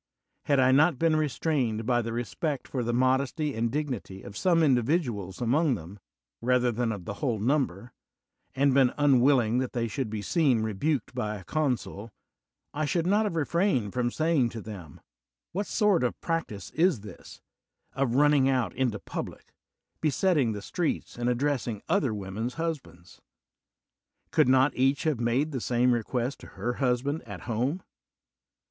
Had I not been restrained by the respect for the modesty and dignity of some individuals among them, rather than of the whole number, and been unwilling that they should be seen rebuked by a consul, I should not have re frained from saying to them, ''What sort of practise is this, of running out into public, be setting the streets, and addressing other women's husbands? Could not each have made the same request to her husband at home?